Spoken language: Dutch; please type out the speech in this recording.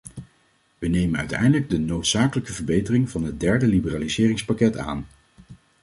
Wij nemen eindelijk de noodzakelijke verbetering van het derde liberaliseringspakket aan.